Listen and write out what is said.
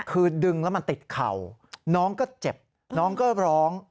คือดึงแล้วมันติดเข่าน้องก็เจ็บน้องก็ร้อง